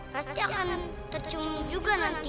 pasti akan tercum juga nanti